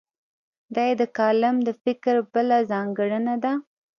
دا یې د کالم د فکر بله ځانګړنه ده.